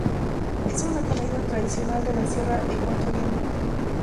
Es una comida tradicional de la Sierra ecuatoriana.